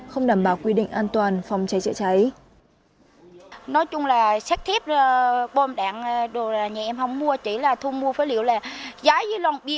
không đảm bảo quy định an toàn phòng cháy chữa cháy